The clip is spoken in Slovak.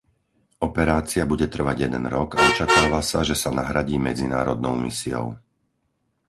Operácia bude trvať jeden rok a očakáva sa, že sa nahradí medzinárodnou misiou.